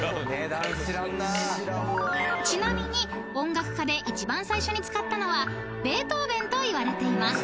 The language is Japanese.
［ちなみに音楽家で一番最初に使ったのはベートーベンといわれています］